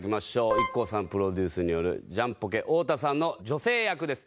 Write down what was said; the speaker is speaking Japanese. ＩＫＫＯさんプロデュースによるジャンポケ太田さんの女性役です。